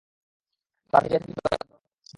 আর নিজে তাকে ধর্মান্তরের প্রস্তাব দিতে লাগল।